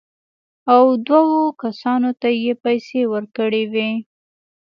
او دوو کسانو ته یې پېسې ورکړې وې.